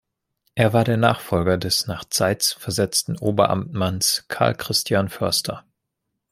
Er war der Nachfolger des nach Zeitz versetzten Oberamtmanns Carl Christian Förster.